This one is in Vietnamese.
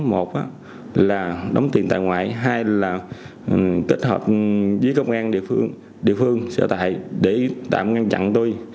một là đóng tiền tại ngoại hai là kết hợp với công an địa phương địa phương sở tại để tạm ngăn chặn tôi